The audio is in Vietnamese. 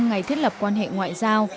ngày thiết lập quan hệ ngoại giao